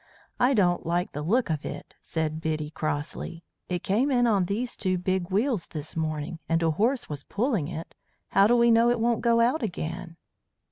"I don't like the look of it," said Biddy crossly. "It came in on these two big wheels this morning, and a horse was pulling it. How do we know it won't go out again?"